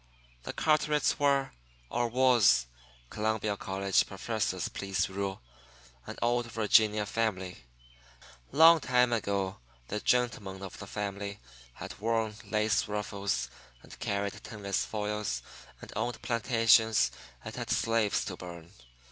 The Carterets were, or was (Columbia College professors please rule), an old Virginia family. Long time ago the gentlemen of the family had worn lace ruffles and carried tinless foils and owned plantations and had slaves to burn.